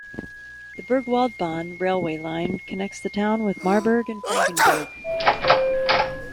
The "Burgwaldbahn" railway line connects the town with Marburg and Frankenberg.